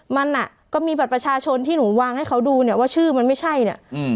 มันอ่ะก็มีบัตรประชาชนที่หนูวางให้เขาดูเนี่ยว่าชื่อมันไม่ใช่เนี่ย